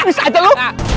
aduh saatnya lu